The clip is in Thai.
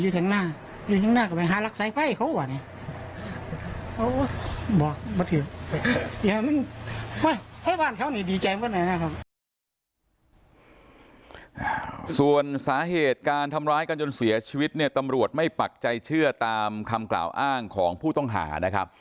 ส่วนสาเหตุการทำร้ายกันจนเสียชีวิตเนี่ยตำรวจไม่ปักใจเชื่อตามคำกล่าวอ้างของผู้ต้องหานะครับ